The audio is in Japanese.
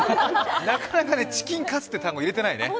なかなかチキンカツって単語、ないよね。